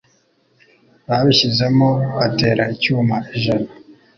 Babishyizemo batera icyuma ijana